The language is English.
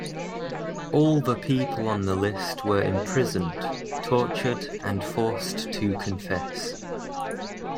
All the people on the list were imprisoned, tortured and forced to confess.